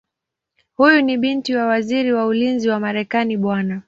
Huyu ni binti wa Waziri wa Ulinzi wa Marekani Bw.